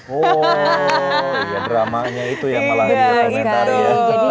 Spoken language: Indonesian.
oh ya dramanya itu yang malah dikomentari ya